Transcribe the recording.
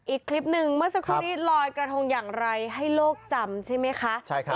อีกคลิปหนึ่งเมื่อสักครู่นี้ลอยกระทงอย่างไรให้โลกจำใช่ไหมคะ